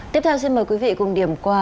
tiếp theo xin mời quý vị cùng điểm qua